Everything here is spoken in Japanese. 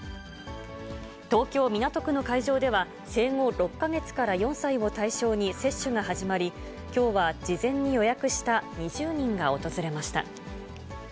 東京・港区の会場では、生後６か月から４歳を対象に接種が始まり、きょうは事前に予約した２０人が訪れました。